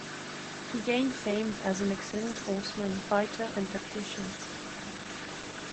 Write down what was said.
He gained fame as an excellent horseman, fighter, and tactician.